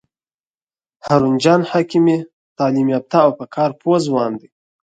هارون جان حکیمي تعلیم یافته او په کار پوه ځوان دی.